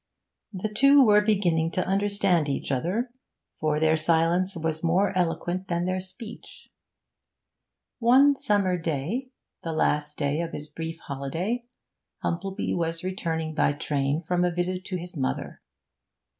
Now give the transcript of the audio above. The two were beginning to understand each other, for their silence was more eloquent than their speech. One summer day the last day of his brief holiday Humplebee was returning by train from a visit to his mother.